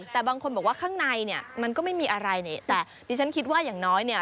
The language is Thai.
แต่บางคนบอกว่าข้างในเนี่ยมันก็ไม่มีอะไรเนี่ยแต่ดิฉันคิดว่าอย่างน้อยเนี่ย